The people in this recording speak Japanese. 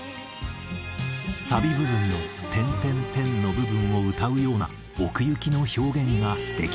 「サビ部分の点点点の部分を歌うような奥行きの表現が素敵です」。